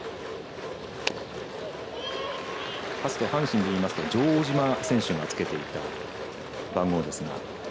かつて阪神でいいますと城島選手が着けていた番号ですが。